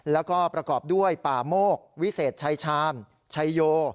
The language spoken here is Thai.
แล้วก็ประกอบด้วยป่าโมกวิเศษชายชาญชัยโย